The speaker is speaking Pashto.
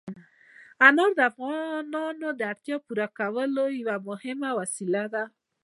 انار د افغانانو د اړتیاوو د پوره کولو یوه مهمه وسیله ده.